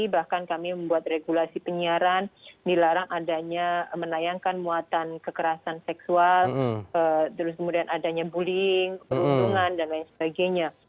bahkan kami membuat regulasi penyiaran dilarang adanya menayangkan muatan kekerasan seksual terus kemudian adanya bullying perundungan dan lain sebagainya